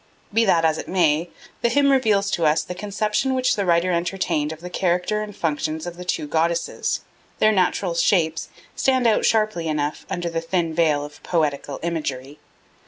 Be that as it may, the hymn reveals to us the conception which the writer entertained of the character and functions of the two goddesses; their natural shapes stand out sharply enough under the thin veil of poetical imagery.